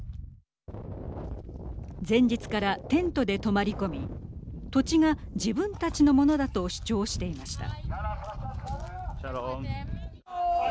前日からテントで泊まり込み土地が自分たちのものだと主張していました。